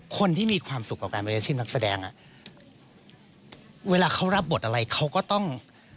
คนที่มีความสุขกับการเป็นอาชีพนักแสดงอ่ะเวลาเขารับบทอะไรเขาก็ต้อง